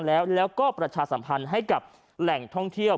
แล้วก็ประชาสัมพันธ์ให้กับแหล่งท่องเที่ยว